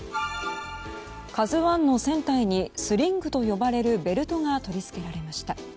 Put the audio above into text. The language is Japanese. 「ＫＡＺＵ１」の船体にスリングと呼ばれるベルトが取り付けられました。